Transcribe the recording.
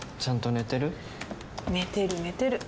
「寝てる寝てる」